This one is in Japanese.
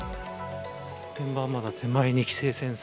現場はまだ手前に規制線。